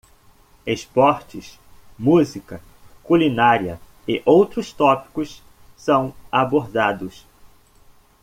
Esportes? música? culinária e outros tópicos são abordados.